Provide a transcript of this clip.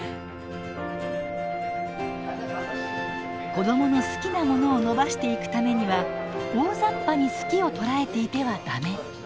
子どもの好きなものを伸ばしていくためには大ざっぱに「好き」を捉えていては駄目。